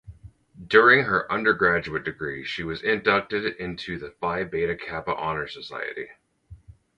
During her undergraduate degree she was inducted into the Phi Beta Kappa honor society.